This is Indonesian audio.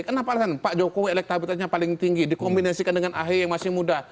kenapa pak jokowi elektabilitasnya paling tinggi dikombinasikan dengan ahy yang masih muda